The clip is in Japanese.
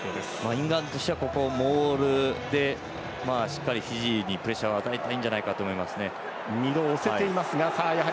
イングランドとしてはここモールで、しっかりフィジーにプレッシャーを与えたいんじゃないかなと思います。